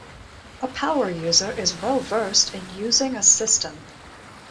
A power user is well versed in using a system.